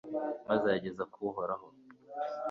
maze ayageza kuri uhoraho